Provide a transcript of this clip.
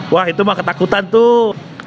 wah itu mah ketakutan tuh